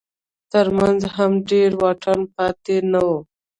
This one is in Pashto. تر منځ هم ډېر واټن پاتې نه و.